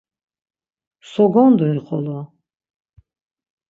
So gonduni xolo!